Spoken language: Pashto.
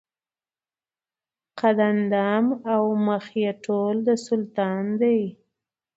قد اندام او مخ یې ټوله د سلطان دي